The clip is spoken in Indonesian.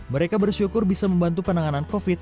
mereka bersyukur bisa membantu penanganan covid sembilan belas